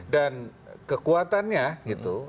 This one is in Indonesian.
dan kekuatannya gitu